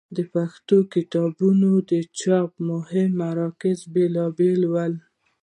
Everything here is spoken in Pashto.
د پښتو کتابونو د چاپ مهم مراکز بېلابېل ول.